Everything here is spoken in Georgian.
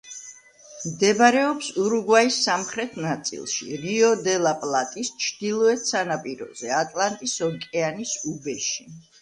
მდებარეობს ურუგვაის სამხრეთ ნაწილში, რიო-დე-ლა-პლატის ჩრდილოეთ სანაპიროზე, ატლანტის ოკეანის უბეში.